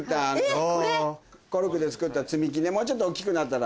コルクで作った積み木ねもうちょっと大っきくなったら。